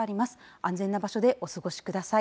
安全な場所でお過ごしください。